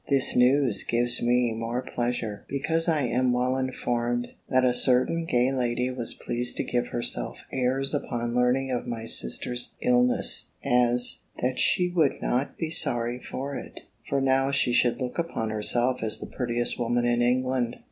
This news gives me more pleasure, because I am well informed, that a certain gay lady was pleased to give herself airs upon learning of my sister's illness, as, That she would not be sorry for it; for now she should look upon herself as the prettiest woman in England.